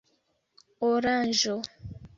oranĝo